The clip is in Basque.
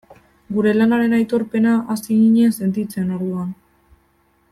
Gure lanaren aitorpena hasi ginen sentitzen orduan.